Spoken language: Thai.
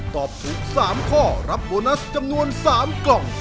ตอบถูก๓ข้อรับโบนัสจำนวน๓กล่อง